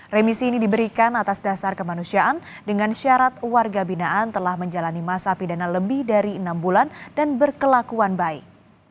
remisi ini diberikan atas dasar kemanusiaan dengan syarat warga binaan telah menjalani masa pidana lebih dari enam bulan dan berkelakuan baik